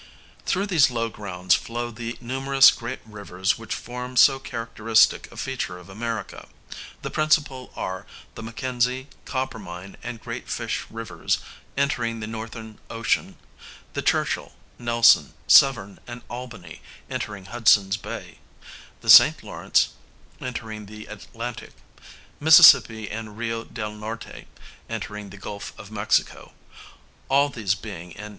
Through these low grounds flow the numerous great rivers which form so characteristic a feature of America. The principal are the Mackenzie, Coppermine, and Great Fish Rivers, entering the Northern Ocean; the Churchill, Nelson, Severn, and Albany, entering Hudson's Bay; the St. Lawrence, entering the Atlantic; Mississippi and Rio del Norte, entering the Gulf of Mexico (all these being in N.